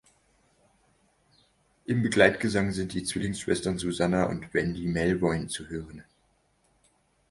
Im Begleitgesang sind die Zwillingsschwestern Susannah und Wendy Melvoin zu hören.